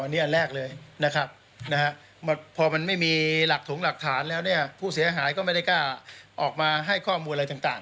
อันนี้อันแรกเลยนะครับพอมันไม่มีหลักถงหลักฐานแล้วเนี่ยผู้เสียหายก็ไม่ได้กล้าออกมาให้ข้อมูลอะไรต่าง